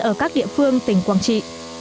ở các địa phương tỉnh quảng trị